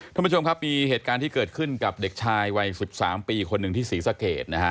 ท่านผู้ชมครับมีเหตุการณ์ที่เกิดขึ้นกับเด็กชายวัย๑๓ปีคนหนึ่งที่ศรีสะเกดนะฮะ